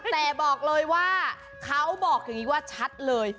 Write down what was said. แต่บอกเลยว่าเขาบอกอย่างนี้ว่าชัดเลย